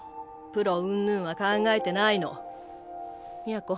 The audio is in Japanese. プロうんぬんは考えてないの都